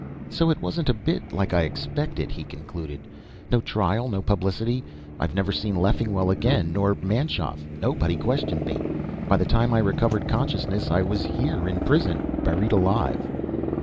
"So it wasn't a bit like I'd expected," he concluded. "No trial, no publicity. I've never seen Leffingwell again, nor Manschoff. Nobody questioned me. By the time I recovered consciousness, I was here in prison. Buried alive."